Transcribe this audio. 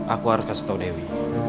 aku harus kasih tau dewi